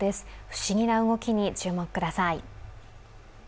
不思議な動きに注目ください。